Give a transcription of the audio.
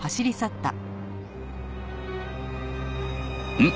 うん？